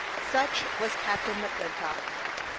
Such was Captain McClintock.